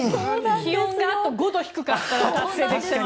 気温があと５度低かったら達成できていました。